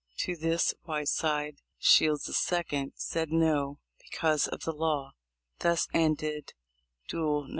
To this Whiteside, Shields's second, said 'no' because of the law. Thus ended duel No.